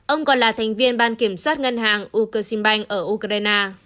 ông còn là thành viên ban kiểm soát ngân hàng ukrasimbank ở ukraine